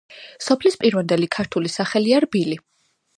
სოფლის პირვანდელი ქართული სახელია რბილი.